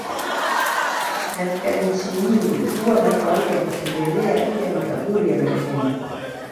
Katika nchi nyingi huwa na kawaida ya kutembelea pia makaburi ya marehemu.